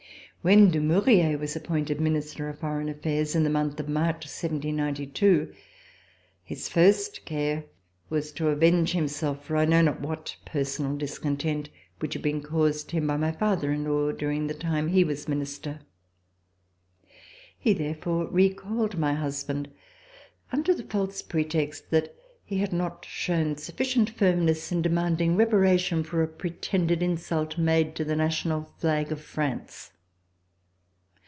When Dumouriez was appointed Minister of Foreign Affairs in the month of March, 1792, his first care was to avenge himself for I know not what personal discontent which had been caused him by my father in law during the time he was Minister. He therefore recalled my husband under the false pretext that he had not shown sufficient firmness in demanding reparation for a pretended C128] RESIDENCE IN HOLLAND insult made to the National flag of France.